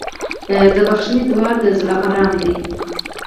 د بښنې دعا د زړه ارام دی.